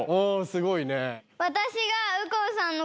すごいね。